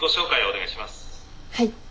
はい。